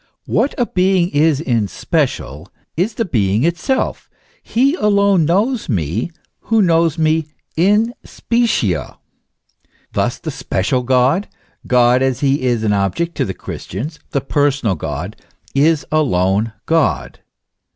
What a being is in special, is the being itself; he alone knows me, who knows me in specie. Thus the special God, God as he is an object to the Christians, the personal God, is alone God.